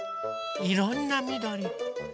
いろんなみどり。